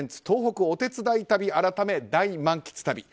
東北お手伝い旅改め大満喫旅。